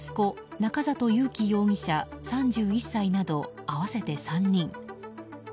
中里勇希容疑者、３１歳など合わせて３人。